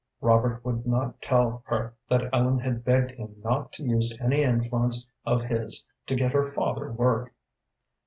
Robert would not tell her that Ellen had begged him not to use any influence of his to get her father work.